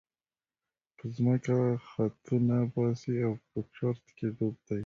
په ځمکه خطونه باسي او په چورت کې ډوب دی.